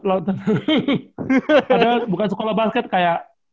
padahal bukan sekolah basket kayak